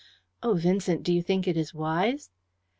"Oh, Vincent, do you think it is wise?"